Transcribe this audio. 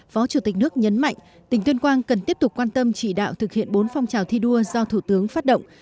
phó chủ tịch nước nhấn mạnh tỉnh tuyên quang cần tiếp tục quan tâm chỉ đạo thực hiện bốn phong trào thi đua do thủ tướng phát động